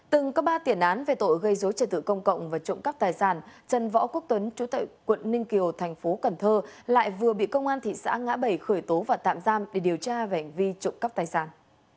từng có ba tiền án về tội gây dối trật tự công cộng và trộm cắp tài sản trần võ quốc tuấn chủ tệ quận ninh kiều thành phố cần thơ lại vừa bị công an thị xã ngã bảy khởi tố và tạm giam để điều tra về hành vi trộm cắp tài sản